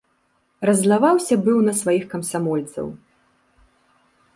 Раззлаваўся быў на сваіх камсамольцаў.